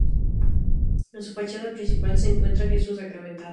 En su fachada principal se encuentra "Jesús Sacramentado".